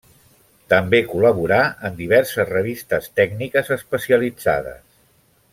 També col·laborà en diverses revistes tècniques especialitzades.